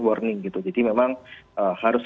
warning gitu jadi memang harus